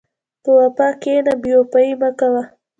په وفا کښېنه، بېوفایي مه کوه.